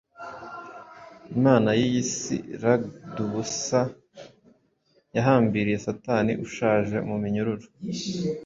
Imana y'iyi si rag'dubusa: Yahambiriye Satani ushaje muminyururu,